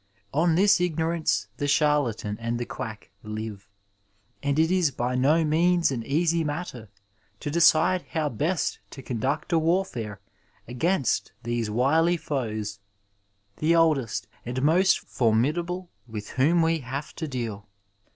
On this ignorance the charlatan and the quack live, and it is by no means an easy matter to decide how best to conduct a warfare against these wily foes, the oldest and most for midable with whom we have to deal.